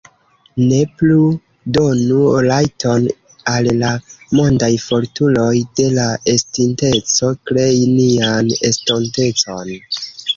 Ne plu donu rajton al la mondaj fortuloj de la estinteco krei nian estontecon